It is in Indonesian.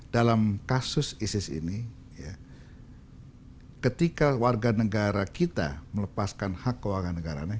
dalam kasus isis ini ketika warga negara kita melepaskan hak keuangan negaranya